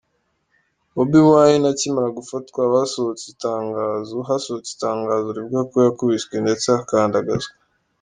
Bobi Wine akimara gufatwa, hasohotse itangazo rivuga ko ‘yakubiswe ndetse akandagazwa’.